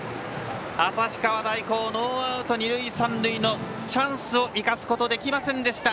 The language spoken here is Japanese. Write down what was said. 旭川大高ノーアウト、二塁三塁のチャンス生かすことができませんでした。